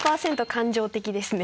感情的ですね。